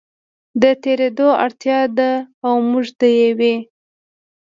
د تېرېدو اړتیا ده او موږ د یوې